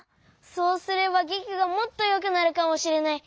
そうすればげきがもっとよくなるかもしれない。